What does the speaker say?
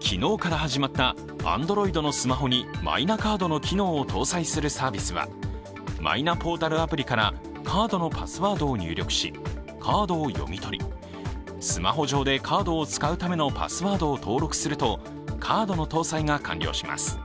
昨日から始まったＡｎｄｒｏｉｄのスマホにマイナカードの機能を搭載するサービスはマイナポータルアプリからカードのパスワードを入力しカードを読み取り、スマホ上でカードを使うためのパスワードを登録すると、カードの搭載が完了します。